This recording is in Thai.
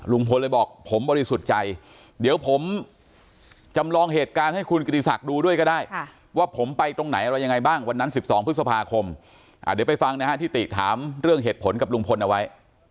ลุงพลเลยบอกผมบริสุทธิ์ใจเดี๋ยวผมจำลองเหตุการณ์ให้คุณกิติศักดิ์ดูด้วยก็ได้ว่าผมไปตรงไหนอะไรยังไงบ้างวันนั้น๑๒พฤษภาคมเดี๋ยวไปฟังนะฮะที่ติถามเรื่องเหตุผลกับลุงพลเอาไว้